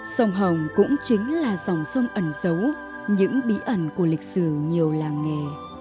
sông hồng cũng chính là dòng sông ẩn dấu những bí ẩn của lịch sử nhiều làng nghề